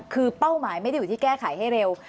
คือเป้าหมายไม่ได้อยู่ที่แก้ไขให้เร็ว